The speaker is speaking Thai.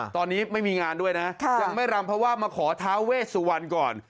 ตอนนี้ไม่มีงานด้วยนะยังไม่รำเพราะว่ามาขอท้าเวสวรรณก่อน